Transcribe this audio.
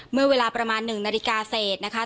เมื่อเวลาประมาณ๑นาฬิกาเศษนะคะ